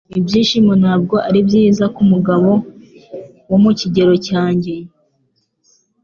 Ibyishimo ntabwo ari byiza kumugabo wo mu kigero cyanjye